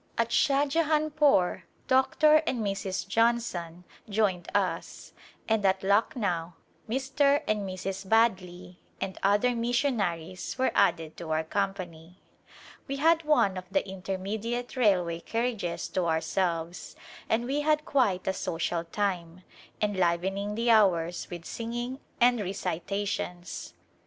At Shahjahanpore Dr. and Mrs. Johnson joined us and at Lucknow Mr. and Airs. Badley and other missionaries were added to our company. We had one of the intermediate railway carriages to ourselves and we had quite a social time, enlivening the hours with singing and recitations.